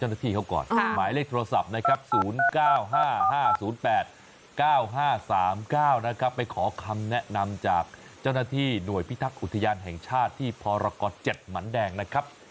๕๕๕๐๘๙๕๓๙นะครับไปขอคำแนะนำจากเจ้าหน้าที่หน่วยพิทักษ์อุทยานแห่งชาติที่พร๗หมันแดงนะครับ